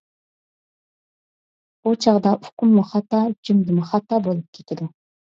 بۇ چاغدا ئۇقۇممۇ خاتا، جۈملىمۇ خاتا بولۇپ كېتىدۇ.